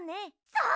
そう！